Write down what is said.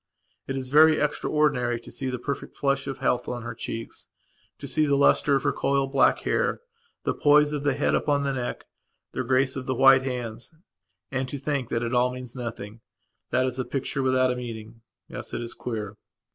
It is very extraordinary to see the perfect flush of health on her cheeks, to see the lustre of her coiled black hair, the poise of the head upon the neck, the grace of the white handsand to think that it all means nothingthat it is a picture without a meaning. Yes, it is queer.